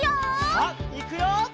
さあいくよ！